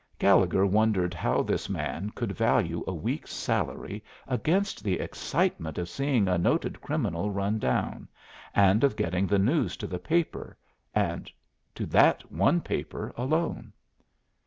Gallegher wondered how this man could value a week's salary against the excitement of seeing a noted criminal run down, and of getting the news to the paper, and to that one paper alone.